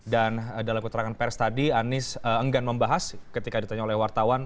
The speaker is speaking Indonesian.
dan dalam keterangan pers tadi anies enggan membahas ketika ditanya oleh wartawan